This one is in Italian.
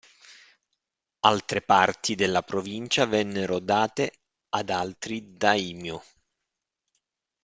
Altre parti della provincia vennero date ad altri daimyō.